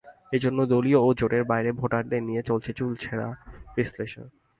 এ জন্য দলীয় ও জোটের বাইরের ভোটারদের নিয়ে চলছে চুলচেরা বিশ্লেষণ।